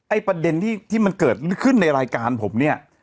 ประเด็นที่มันเกิดขึ้นในรายการผมเนี่ย